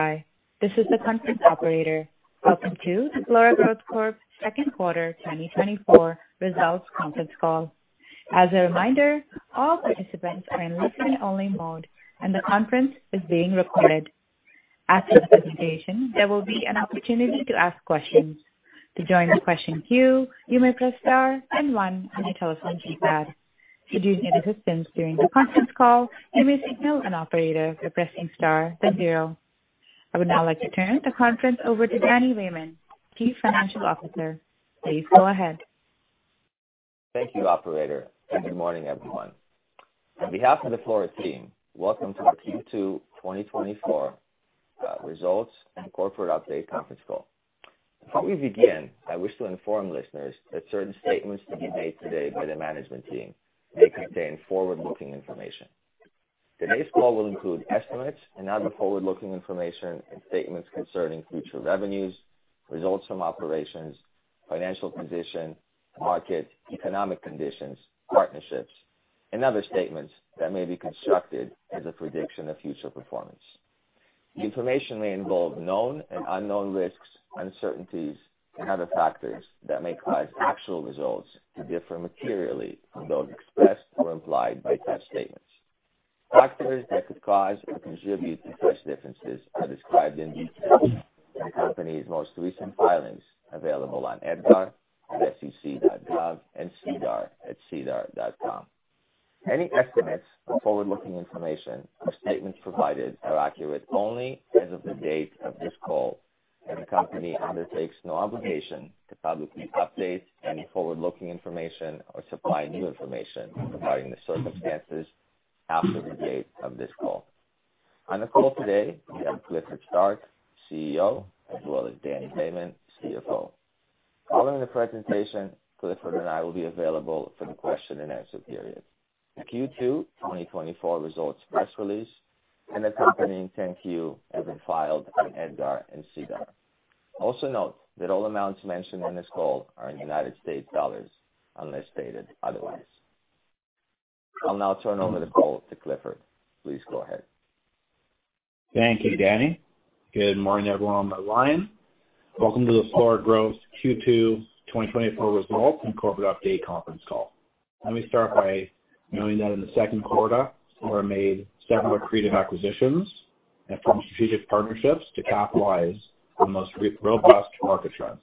Thank you for standing by. This is the conference operator. Welcome to the Flora Growth Corp Second Quarter 2024 Results Conference Call. As a reminder, all participants are in listen-only mode, and the conference is being recorded. After the presentation, there will be an opportunity to ask questions. To join the question queue, you may press star then one on your telephone keypad. If you need assistance during the conference call, you may signal an operator by pressing star then zero. I would now like to turn the conference over to Dany Lehmann, Chief Financial Officer. Please go ahead. Thank you, operator, and good morning, everyone. On behalf of the Flora team, welcome to our Q2 2024 results and corporate update conference call. Before we begin, I wish to inform listeners that certain statements to be made today by the management team may contain forward-looking information. Today's call will include estimates and other forward-looking information and statements concerning future revenues, results from operations, financial position, market, economic conditions, partnerships, and other statements that may be construed as a prediction of future performance. The information may involve known and unknown risks, uncertainties, and other factors that may cause actual results to differ materially from those expressed or implied by such statements. Factors that could cause or contribute to such differences are described in detail in the company's most recent filings available on EDGAR at sec.gov and SEDAR+ at sedarplus.ca. Any estimates or forward-looking information or statements provided are accurate only as of the date of this call, and the company undertakes no obligation to publicly update any forward-looking information or supply new information providing the circumstances after the date of this call. On the call today, we have Clifford Starke, CEO, as well as Dany Lehmann, CFO. Following the presentation, Clifford and I will be available for the question and answer period. The Q2 2024 results press release and accompanying 10-Q have been filed on Edgar and SEDAR+. Also note that all amounts mentioned on this call are in U.S. dollars, unless stated otherwise. I'll now turn over the call to Clifford. Please go ahead. Thank you, Dany. Good morning, everyone, on the line. Welcome to the Flora Growth Q2 2024 results and corporate update conference call. Let me start by noting that in the second quarter, Flora made several accretive acquisitions and formed strategic partnerships to capitalize on the most robust market trends.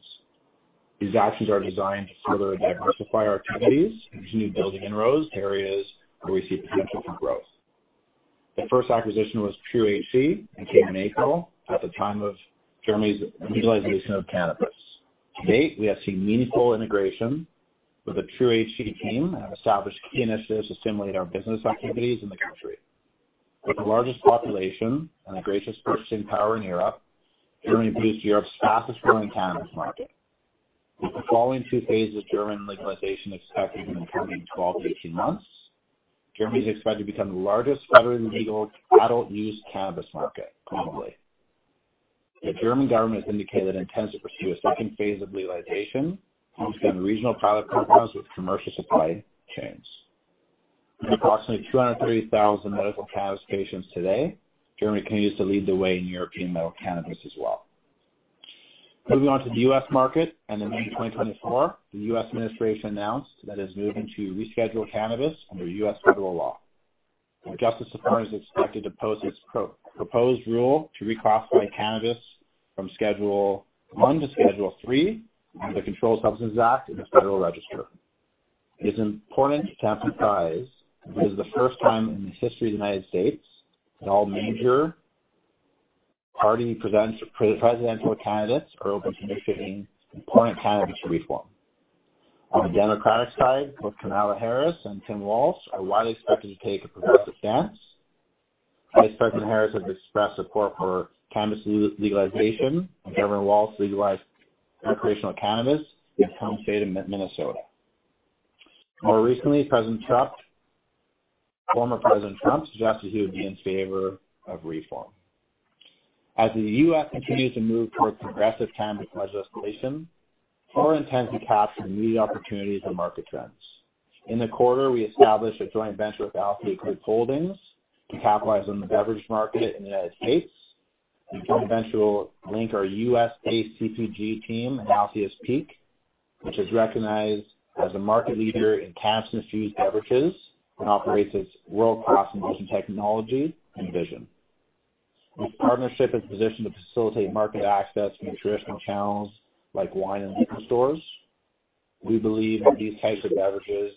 These actions are designed to further diversify our activities and continue building inroads to areas where we see potential for growth. The first acquisition was TruHC and came in April at the time of Germany's legalization of cannabis. To date, we have seen meaningful integration with the TruHC team and have established key initiatives to stimulate our business activities in the country. With the largest population and the greatest purchasing power in Europe, Germany boasts Europe's fastest-growing cannabis market. With the following two phases of German legalization expected in the coming 12-18 months, Germany is expected to become the largest federally legal adult-use cannabis market globally. The German government has indicated it intends to pursue a second phase of legalization, focusing on regional pilot programs with commercial supply chains. With approximately 230,000 medical cannabis patients today, Germany continues to lead the way in European medical cannabis as well. Moving on to the U.S. market, in May 2024, the U.S. administration announced that it's moving to reschedule cannabis under U.S. federal law. The Justice Department is expected to post its proposed rule to reclassify cannabis from Schedule I to Schedule III under the Controlled Substances Act in the Federal Register. It is important to emphasize this is the first time in the history of the United States that all major party presidential candidates are open to initiating important cannabis reform. On the Democratic side, both Kamala Harris and Tim Walz are widely expected to take a progressive stance. Vice President Harris has expressed support for cannabis legalization, and Governor Walz legalized recreational cannabis in his home state of Minnesota. More recently, Former President Trump suggested he would be in favor of reform. As the U.S. continues to move towards progressive cannabis legislation, Flora intends to capture new opportunities and market trends. In the quarter, we established a joint venture with Althea Group Holdings to capitalize on the beverage market in the United States. The joint venture will link our U.S.-based CPG team and Althea's Peak, which is recognized as a market leader in cannabis-infused beverages and operates its world-class infusion technology and vision. This partnership is positioned to facilitate market access in traditional channels like wine and liquor stores. We believe that these types of beverages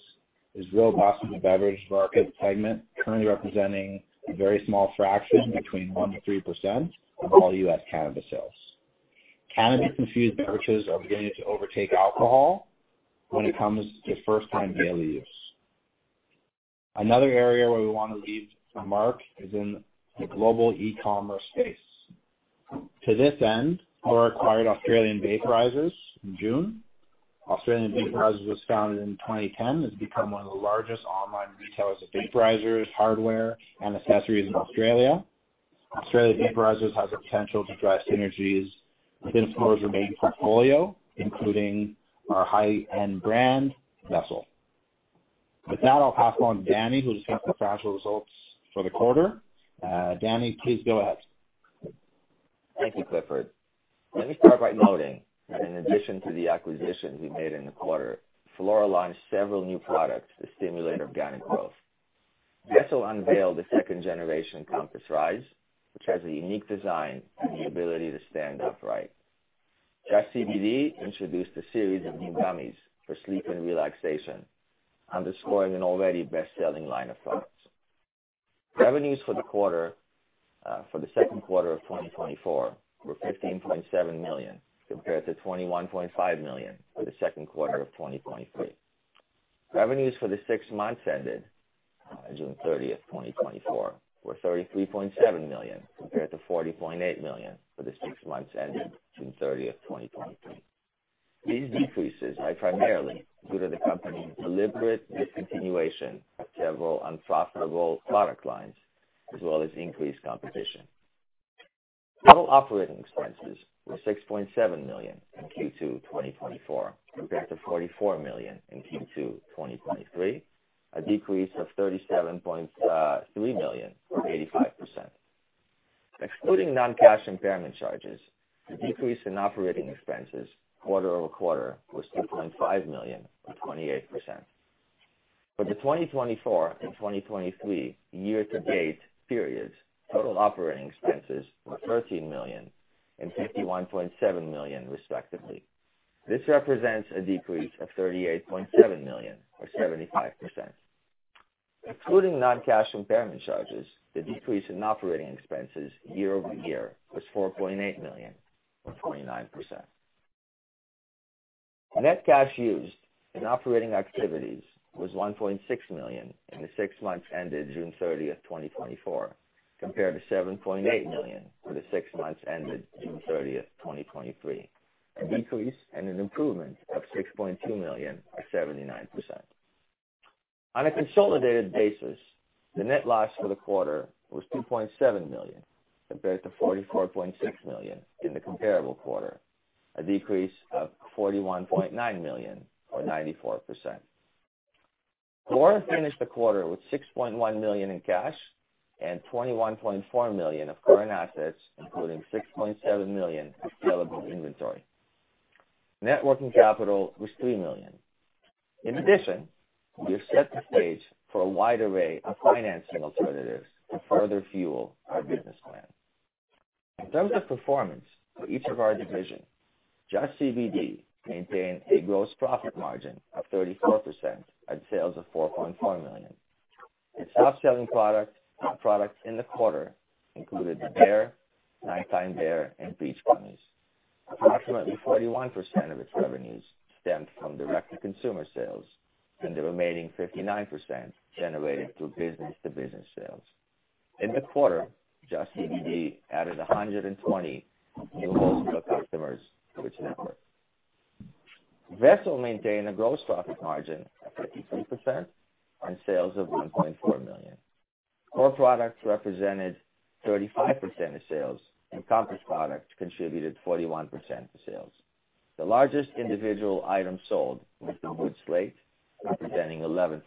is a real blossoming beverage market segment, currently representing a very small fraction between 1%-3% of all U.S. cannabis sales. Cannabis-infused beverages are beginning to overtake alcohol when it comes to first-time daily use. Another area where we want to leave a mark is in the global e-commerce space. To this end, Flora acquired Australian Vaporizers in June. Australian Vaporizers was founded in 2010 and has become one of the largest online retailers of vaporizers, hardware, and accessories in Australia. Australian Vaporizers has the potential to drive synergies within Flora's remaining portfolio, including our high-end brand, Vessel. With that, I'll pass on to Dany, who's got the financial results for the quarter. Dany, please go ahead. Thank you, Clifford. Let me start by noting that in addition to the acquisitions we made in the quarter, Flora launched several new products to stimulate organic growth. Vessel unveiled a second generation Compass Rise, which has a unique design and the ability to stand upright. JustCBD introduced a series of new gummies for sleep and relaxation, underscoring an already best-selling line of products. Revenues for the quarter, for the second quarter of 2024 were $15.7 million, compared to $21.5 million for the second quarter of 2023. Revenues for the six months ended, June thirtieth, 2024, were $33.7 million, compared to $40.8 million for the six months ended June thirtieth, 2023. These decreases are primarily due to the company's deliberate discontinuation of several unprofitable product lines, as well as increased competition. Total operating expenses were $6.7 million in Q2 2024, compared to $44 million in Q2 2023, a decrease of $37.3 million, or 85%. Excluding non-cash impairment charges, the decrease in operating expenses quarter-over-quarter was $2.5 million, or 28%. For the 2024 and 2023 year-to-date periods, total operating expenses were $13 million and $51.7 million respectively. This represents a decrease of $38.7 million, or 75%. Excluding non-cash impairment charges, the decrease in operating expenses year-over-year was $4.8 million or 29%. The net cash used in operating activities was $1.6 million in the six months ended June 30, 2024, compared to $7.8 million for the six months ended June 30, 2023, a decrease and an improvement of $6.2 million, or 79%. On a consolidated basis, the net loss for the quarter was $2.7 million, compared to $44.6 million in the comparable quarter, a decrease of $41.9 million, or 94%. Flora finished the quarter with $6.1 million in cash and $21.4 million of current assets, including $6.7 million of available inventory. Net working capital was $3 million. In addition, we have set the stage for a wide array of financing alternatives to further fuel our business plan. In terms of performance for each of our divisions, JustCBD maintained a gross profit margin of 34% on sales of $4.4 million. Its top-selling product and products in the quarter included the Bear, Nighttime Bear and Peach gummies. Approximately 41% of its revenues stemmed from direct-to-consumer sales, and the remaining 59% generated through business-to-business sales. In the quarter, JustCBD added 120 new wholesale customers to its network. Vessel maintained a gross profit margin of 53% on sales of $1.4 million. Core products represented 35% of sales, and Compass products contributed 41% to sales. The largest individual item sold was the Wood Slate, representing 11%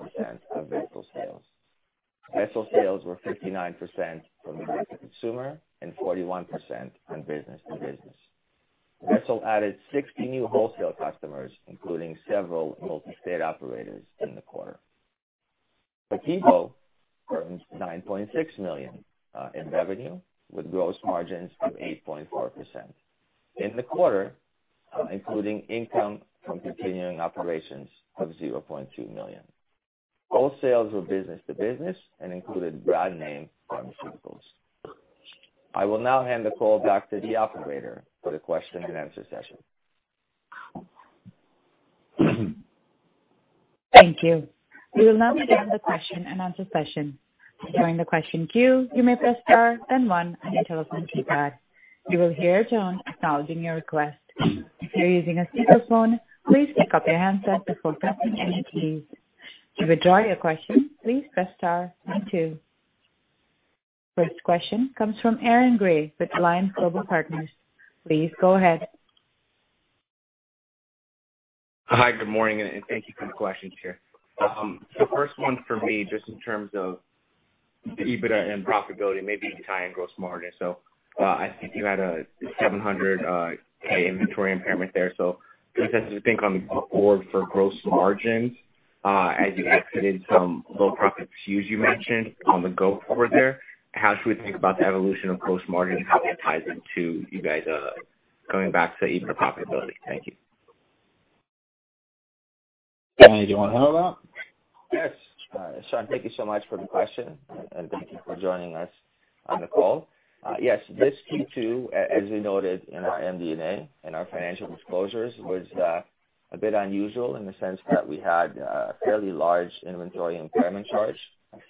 of Vessel sales. Vessel sales were 59% from direct-to-consumer and 41% on business-to-business. Vessel added 60 new wholesale customers, including several multi-state operators, in the quarter. Scythian earns $9.6 million in revenue, with gross margins of 8.4%. In the quarter, including income from continuing operations of $0.2 million. All sales were business-to-business and included brand name pharmaceuticals. I will now hand the call back to the operator for the question and answer session. Thank you. We will now begin the question-and-answer session. To join the question queue, you may press star then one on your telephone keypad. You will hear a tone acknowledging your request. If you're using a speakerphone, please pick up your handset before pressing any keys. To withdraw your question, please press star then two. First question comes from Aaron Gray with Alliance Global Partners. Please go ahead. Hi, good morning, and thank you for the questions here. The first one for me, just in terms of the EBITDA and profitability, maybe you can tie in gross margin. So, I think you had a $700 inventory impairment there, so just as to think on board for gross margins, as you exited some low profit SKUs, you mentioned on the go forward there, how should we think about the evolution of gross margin and how that ties into you guys going back to EBITDA profitability? Thank you. Dany, do you want to handle that? Yes, Sean, thank you so much for the question, and thank you for joining us on the call. Yes, this Q2, as we noted in our MD&A and our financial disclosures, was a bit unusual in the sense that we had a fairly large inventory impairment charge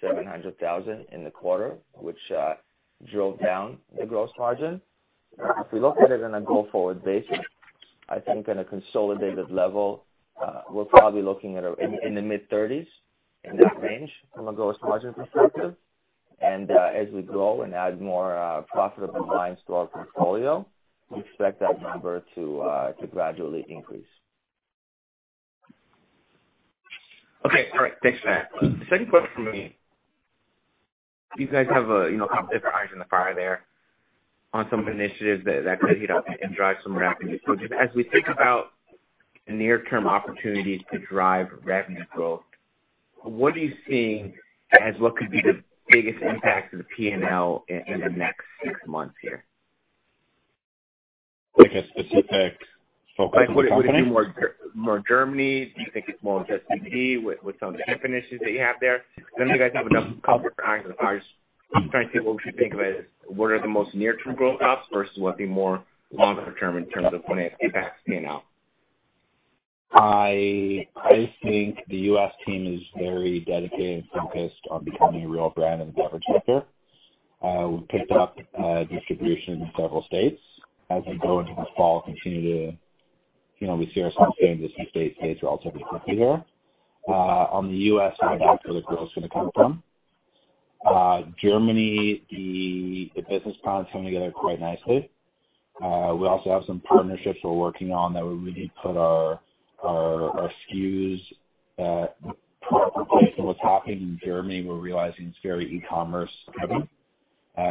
of $700,000 in the quarter, which drove down the gross margin. If we look at it on a go-forward basis, I think on a consolidated level, we're probably looking at in the mid-thirties, in that range, from a gross margin perspective. And, as we grow and add more profitable lines to our portfolio, we expect that number to gradually increase. Okay, all right. Thanks for that. Second question for me. You guys have a, you know, couple different irons in the fire there on some initiatives that, that could heat up and drive some revenue. So just as we think about the near-term opportunities to drive revenue growth, what are you seeing as what could be the biggest impact to the PNL in, in the next six months here? Like a specific focus on the company? Like, would it be more Germany? Do you think it's more just CBD with some different issues that you have there? I know you guys have a number of couple of irons in the fire. I'm just trying to see what we should think of as what are the most near-term growth ups versus what be more longer term in terms of when it impacts PNL. I think the U.S. team is very dedicated and focused on becoming a real brand in the beverage sector. We've picked up distribution in several states. As we go into the fall, continue to, you know, we see ourselves getting to some state rates relatively quickly here. On the U.S. side, that's where the growth is gonna come from. Germany, the business plan is coming together quite nicely. We also have some partnerships we're working on that would really put our SKUs in the proper place. So what's happening in Germany, we're realizing it's very e-commerce heavy.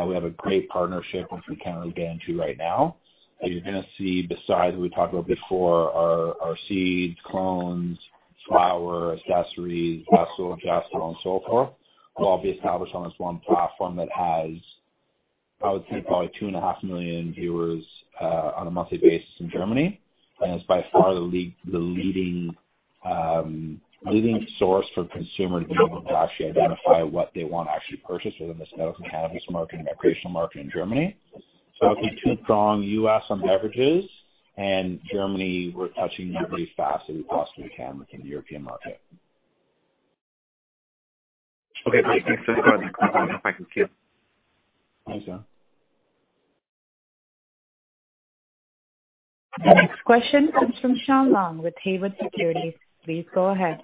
We have a great partnership, which we can't really get into right now. You're gonna see the size we talked about before, our, our seeds, clones, flower, accessories, Vessel, adjuster and so forth, will all be established on this one platform that has, I would say, probably 2.5 million viewers on a monthly basis in Germany. It's by far the lead, the leading, leading source for consumer to be able to actually identify what they want to actually purchase within this medical cannabis market and recreational market in Germany. So I'll keep a strong U.S. on beverages, and Germany, we're touching as fast as we possibly can within the European market. Okay, great. Thanks. Thank you. Thanks, John. The next question comes from Shawn Long with Haywood Securities. Please go ahead.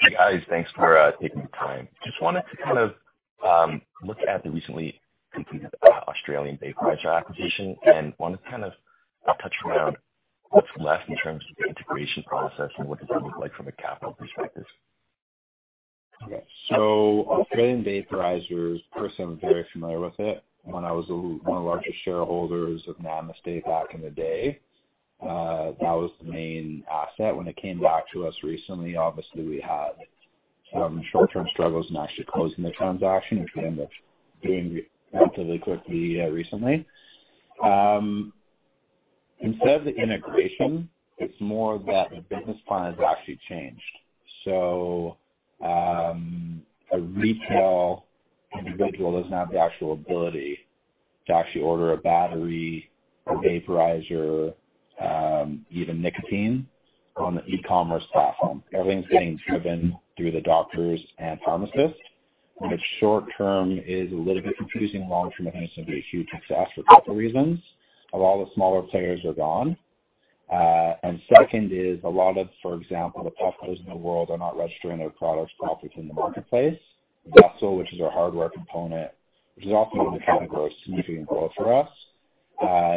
Hey, guys. Thanks for taking the time. Just wanted to kind of look at the recently completed Australian Vaporizers acquisition, and want to kind of touch around what's left in terms of the integration process and what does that look like from a capital perspective? Okay. So Australian Vaporizers, personally, I'm very familiar with it. When I was one of the largest shareholders of Namaste back in the day, that was the main asset. When it came back to us recently, obviously, we had some short-term struggles in actually closing the transaction, which we ended up doing relatively quickly, recently. Instead of the integration, it's more that the business plan has actually changed. So, a retail individual doesn't have the actual ability to actually order a battery, a vaporizer, even nicotine on the e-commerce platform. Everything's being driven through the doctors and pharmacists, which short-term is a little bit confusing, long-term, I think it's going to be a huge success for a couple reasons. A lot of the smaller players are gone. And second is a lot of, for example, the Puffcos of the world are not registering their products properly in the marketplace. Vessel, which is our hardware component, which is also going to kind of grow, significant growth for us,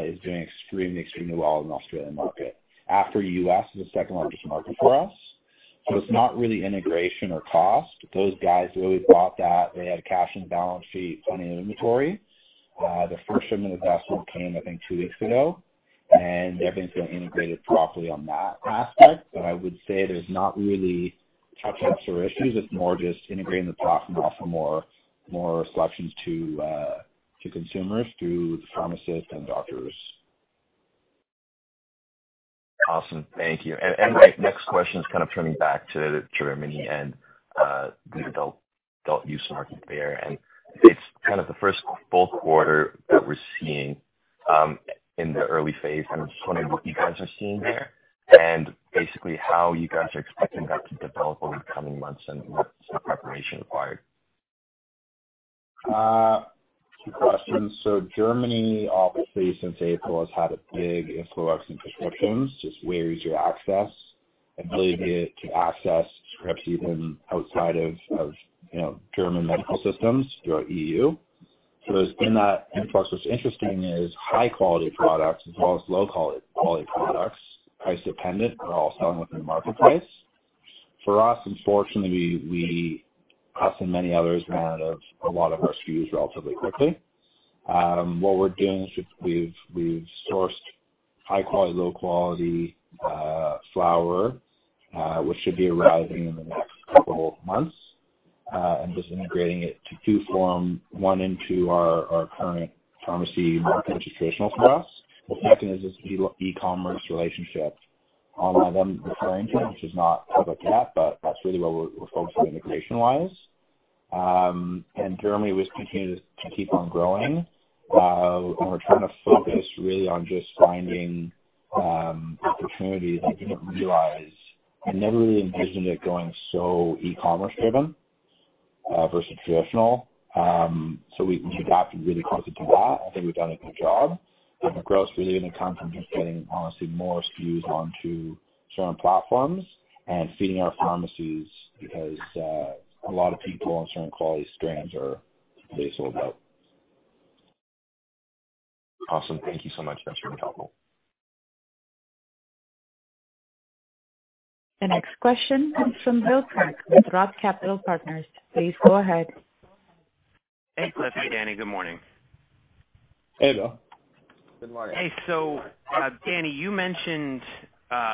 is doing extremely, extremely well in the Australian market. After U.S., the second largest market for us. So it's not really integration or cost. Those guys really bought that. They had cash in the balance sheet, plenty of inventory. The first shipment of Vessel came, I think, two weeks ago, and everything's been integrated properly on that aspect. But I would say there's not really bumps or issues. It's more just integrating the product and offer more, more selections to, to consumers, through the pharmacists and doctors. Awesome. Thank you. And my next question is kind of turning back to Germany and the adult use market there. And it's kind of the first full quarter that we're seeing in the early phase. I'm just wondering what you guys are seeing there, and basically, how you guys are expecting that to develop over the coming months and what's the preparation required? Two questions. So Germany, obviously, since April, has had a big influx in prescriptions, just way easier access, ability to access scripts even outside of you know, German medical systems throughout EU. So it's in that influx, what's interesting is high-quality products as well as low quality products, price dependent, are all selling within the marketplace. For us, unfortunately, we and many others ran out of a lot of our SKUs relatively quickly. What we're doing is we've sourced high quality, low quality flower, which should be arriving in the next couple of months, and just integrating it to do form one into our current pharmacy market, which is traditional for us. The second is this e-commerce relationship one referring to, which is not public yet, but that's really what we're focused on integration wise. And Germany, we continue to keep on growing, and we're trying to focus really on just finding opportunities that we didn't realize. I never really envisioned it going so e-commerce driven, versus traditional. So we've adapted really quickly to that. I think we've done a good job, and the growth really going to come from just getting honestly, more SKUs onto certain platforms and feeding our pharmacies, because a lot of people on certain quality strains are basically sold out. Awesome. Thank you so much, that's very helpful. The next question comes from Bill Kirk with Roth MKM. Please go ahead. Hey, Cliff. Hey, Dany. Good morning. Hey, Bill. Good morning. Hey, so, Dany, you mentioned,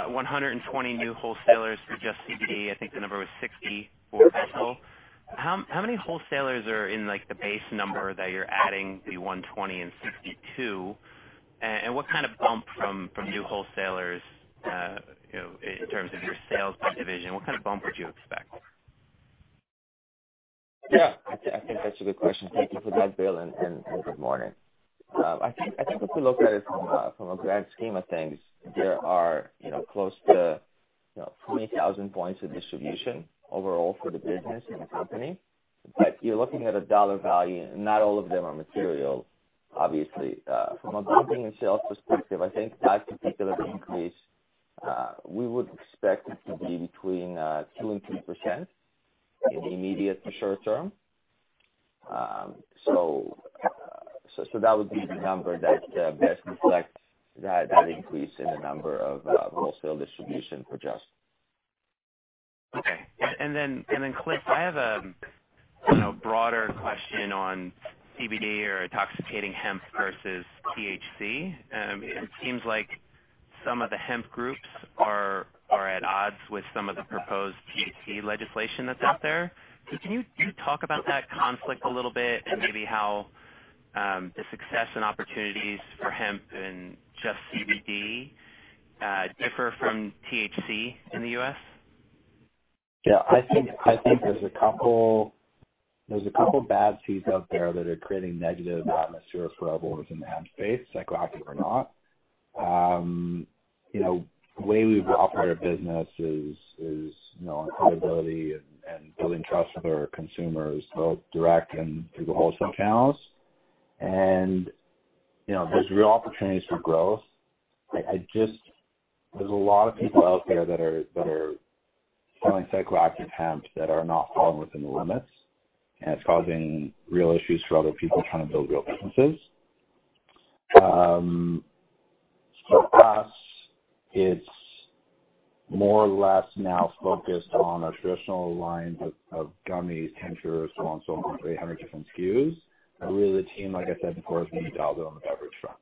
120 new wholesalers for JustCBD. I think the number was 60 for wholesale. How many wholesalers are in, like, the base number that you're adding the 120 and 60 to? And what kind of bump from new wholesalers, you know, in terms of your sales per division, what kind of bump would you expect? Yeah, I think that's a good question. Thank you for that, Bill, and good morning. I think if we look at it from a grand scheme of things, there are, you know, close to 20,000 points of distribution overall for the business and the company. But you're looking at a dollar value, and not all of them are material, obviously. From a buying and sales perspective, I think that particular increase we would expect it to be between 2%-3% in the immediate to short term. So that would be the number that best reflects that increase in the number of wholesale distribution for JustCBD. Okay. And then, Cliff, I have a, you know, broader question on CBD or intoxicating hemp versus THC. It seems like some of the hemp groups are at odds with some of the proposed THC legislation that's out there. Can you talk about that conflict a little bit and maybe how the success and opportunities for hemp and just CBD differ from THC in the US? Yeah. I think there's a couple bad seeds out there that are creating negative atmosphere for everyone within the hemp space, psychoactive or not. You know, the way we operate our business is you know, on credibility and building trust with our consumers, both direct and through the wholesale channels. And, you know, there's real opportunities for growth. I just... There's a lot of people out there that are selling psychoactive hemp that are not falling within the limits, and it's causing real issues for other people trying to build real businesses. So for us, it's more or less now focused on our traditional lines of gummies, tinctures, so on and so on, 300 different SKUs. And really the team, like I said, of course, we need to double on the beverage front.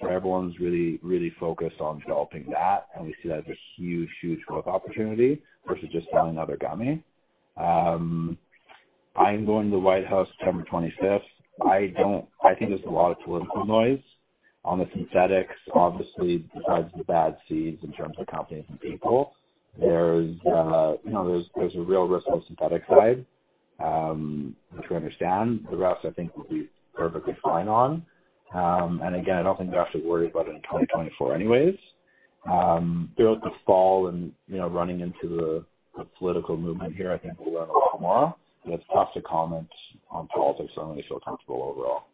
So everyone's really, really focused on developing that, and we see that as a huge, huge growth opportunity versus just selling another gummy. I'm going to the White House September 25th. I don't... I think there's a lot of political noise on the synthetics, obviously, besides the bad seeds in terms of companies and people. There's, you know, there's a real risk on the synthetic side, which we understand. The rest, I think we'll be perfectly fine on. And again, I don't think we have to worry about it in 2024 anyways. Throughout the fall and, you know, running into the political movement here, I think we'll learn a lot more. But it's tough to comment on polls. I certainly feel comfortable overall.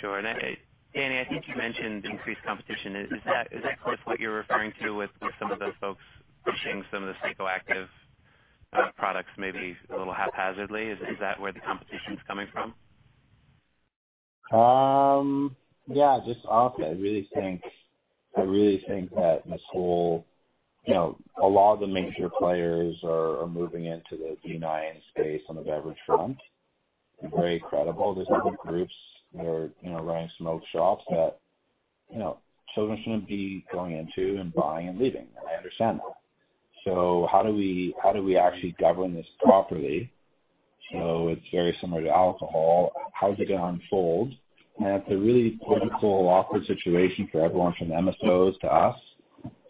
Sure. And I, Dany, I think you mentioned increased competition. Is that sort of what you're referring to with some of the folks pushing some of the psychoactive products maybe a little haphazardly? Is that where the competition is coming from? Yeah, just often I really think, I really think that this whole... You know, a lot of the major players are moving into the benign space on the beverage front, and very credible. There's other groups that are, you know, running smoke shops that, you know, children shouldn't be going into and buying and leaving, and I understand that. So how do we actually govern this properly? So it's very similar to alcohol. How is it going to unfold? And it's a really political, awkward situation for everyone, from MSOs to us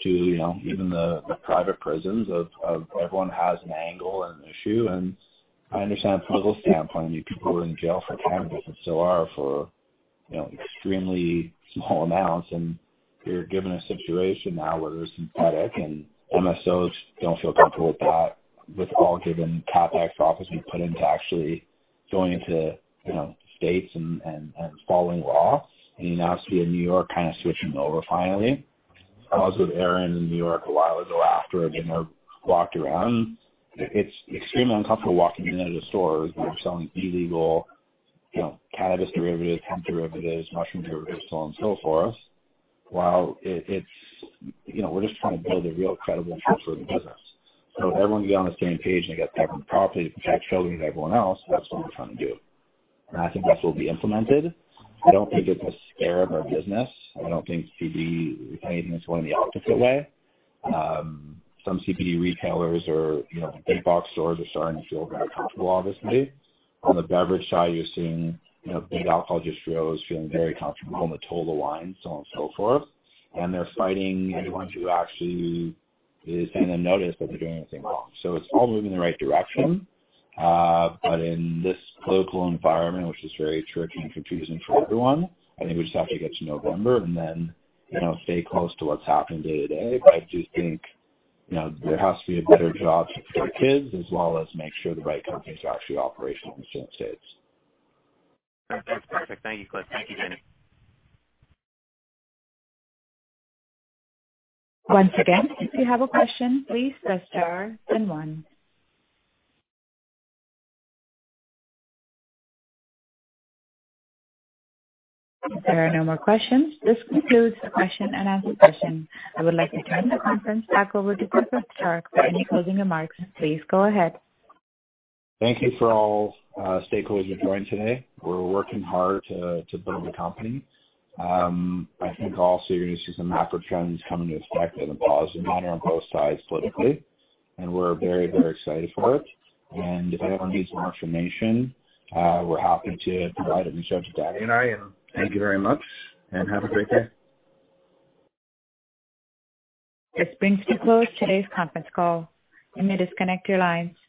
to, you know, even the private prisons, of everyone has an angle and an issue. And I understand the political standpoint. I mean, people were in jail for cannabis and still are for, you know, extremely small amounts. We're given a situation now where there's synthetic, and MSOs don't feel comfortable with that, with all given CapEx profits we put into actually going into, you know, states and following laws. And you know, obviously in New York, kind of switching over finally. I was with Aaron in New York a while ago after a dinner, walked around. It's extremely uncomfortable walking into the stores; they're selling illegal, you know, cannabis derivatives, hemp derivatives, mushroom derivatives, so on and so forth. While it's, you know, we're just trying to build a real credible and trustworthy business. So everyone can be on the same page and get governed properly to protect children and everyone else, that's what we're trying to do. And I think that will be implemented. I don't think it's a scare of our business. I don't think CBD, anything that's going the opposite way. Some CBD retailers or, you know, big box stores are starting to feel very uncomfortable, obviously. On the beverage side, you're seeing, you know, big alcohol distributors feeling very comfortable in the total wine, so on and so forth. And they're fighting anyone who actually is getting a notice that they're doing anything wrong. So it's all moving in the right direction. But in this political environment, which is very tricky and confusing for everyone, I think we just have to get to November and then, you know, stay close to what's happening day to day. I just think, you know, there has to be a better job for kids as well as make sure the right companies are actually operational in certain states. That's perfect. Thank you, Cliff. Thank you, Danny. Once again, if you have a question, please press star then one. If there are no more questions, this concludes the question and answer session. I would like to turn the conference back over to Clifford Starke for any closing remarks. Please go ahead. Thank you for all, stakeholders who joined today. We're working hard to build the company. I think also you're going to see some macro trends coming into effect in a positive manner on both sides politically, and we're very, very excited for it. And if anyone needs more information, we're happy to provide it and show the data. Thank you very much, and have a great day. This brings to a close today's conference call. You may disconnect your lines.